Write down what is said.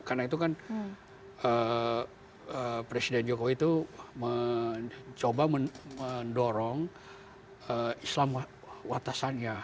karena itu kan presiden jokowi itu mencoba mendorong islam watasannya